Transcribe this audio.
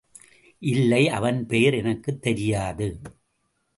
இல்லை, அவன் பெயர் எனக்குத் தெரியாது.